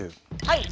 はい。